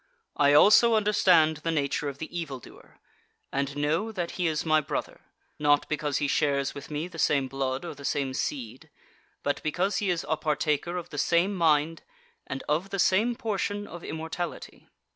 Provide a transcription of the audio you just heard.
I also understand the nature of the evil doer, and know that he is my brother, not because he shares with me the same blood or the same seed, but because he is a partaker of the same mind and of the same portion of immortality.